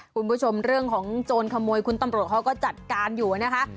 คุณผู้ชมเรื่องของโจรขโมยคุณตำรวจเขาก็จัดการอยู่นะคะ